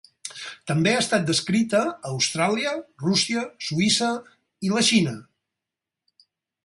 També ha estat descrita a Austràlia, Rússia, Suïssa i la Xina.